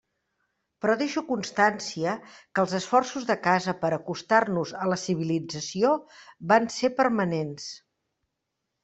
Però deixo constància que els esforços de casa per acostar-nos a la civilització van ser permanents.